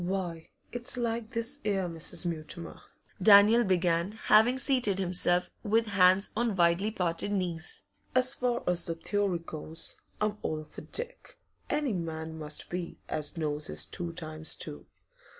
'Why, it's like this 'era, Mrs. Mutimer,' Daniel began, having seated himself, with hands on widely parted knees. 'As far as the theory goes, I'm all for Dick; any man must be as knows his two times two.